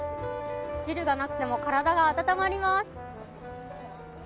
汁がなくても体が温まります。